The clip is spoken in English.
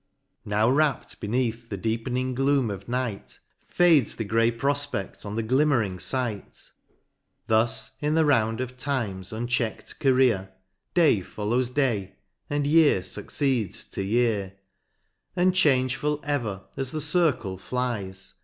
Now wrapt beneath the deepening gloom of night, Fades the gay profpe6l on the glimmering fight :—— Thus in the round of time's uncheck'd career, Day follows day, and year fucceeds to year ; And changeful ever, as the circle flies.